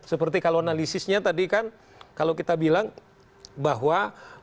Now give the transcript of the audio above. seperti kalau analisisnya tadi kan kalau kita bilang bahwa